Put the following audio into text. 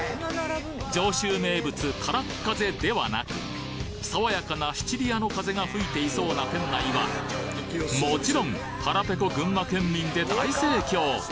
上州名物空っ風ではなく爽やかなシチリアの風が吹いていそうな店内はもちろん腹ペコ群馬県民で大盛況。